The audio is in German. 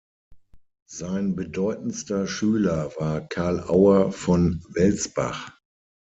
Sein bedeutendster Schüler war Carl Auer von Welsbach.